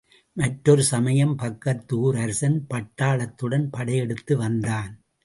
மற்றொரு சமயம் பக்கத்து ஊர் அரசன் பட்டாளத் துடன் படையெடுத்து வந்தான்.